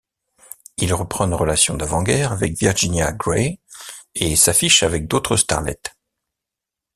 Il reprend une relation d’avant-guerre avec Virginia Grey et s’affiche avec d’autres starlettes.